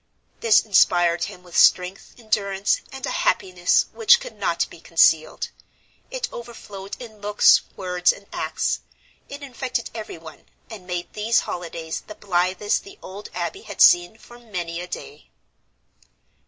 This inspired him with strength, endurance, and a happiness which could not be concealed. It overflowed in looks, words, and acts; it infected everyone, and made these holidays the blithest the old abbey had seen for many a day.